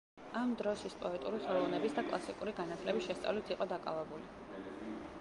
ამ დროს ის პოეტური ხელოვნების და კლასიკური განათლების შესწავლით იყო დაკავებული.